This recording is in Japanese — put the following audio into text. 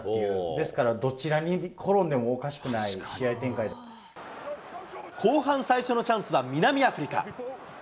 ですから、どちらに転んでもおか後半最初のチャンスは南アフリカ。